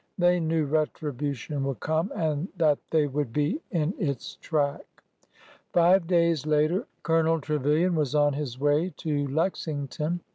They kneAV retribution would come, and that they would be in its track. Five days later Colonel Trevilian was on his way to Lexington.